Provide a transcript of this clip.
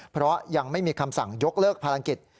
เพราะยังไม่มีคำสั่งยกเลิกภารกิจ